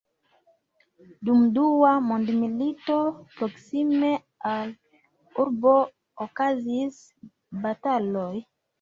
Dum Dua mondmilito proksime al urbo okazis bataloj.